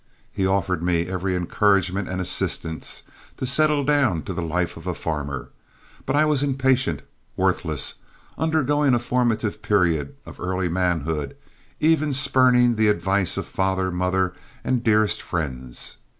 He offered me every encouragement and assistance to settle down to the life of a farmer; but I was impatient, worthless, undergoing a formative period of early manhood, even spurning the advice of father, mother, and dearest friends.